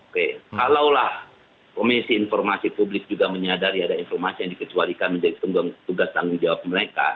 kalaulah komisi informasi publik juga menyadari ada informasi yang dikecualikan menjadi tugas tanggung jawab mereka